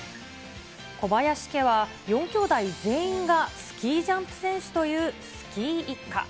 小林家は４きょうだい全員がスキージャンプ選手というスキー一家。